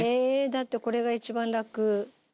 だってこれが一番ラク。